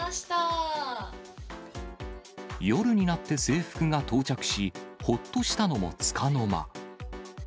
夜になって制服が到着し、ほっとしたのもつかの間。